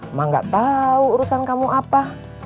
emang gak tahu urusan kamu apa